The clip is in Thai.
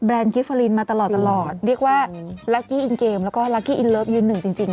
แบรนด์กิฟต์ฟารีนมาตลอดตลอดเรียกว่าแล้วก็จริงจริง